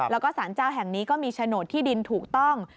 แล้วก็สารเจ้าแห่งนี้ก็มีโฉนดที่ดินถูกต้อง